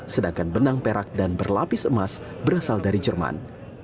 sedangkan benang perak dan berlapis emas berasal dari jerman